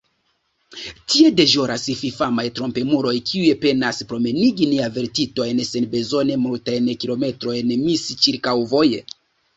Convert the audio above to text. Tie deĵoras fifamaj trompemuloj kiuj penas promenigi neavertitojn senbezone multajn kilometrojn misĉirkaŭvoje.